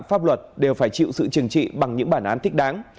pháp luật đều phải chịu sự trừng trị bằng những bản án thích đáng